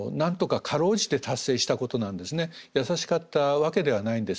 やさしかったわけではないんです。